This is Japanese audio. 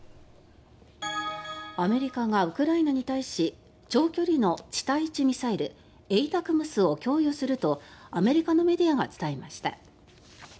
アメリカがウクライナに対し長距離の地対地ミサイルＡＴＡＣＭＳを供与するとアメリカのメディアが伝えました。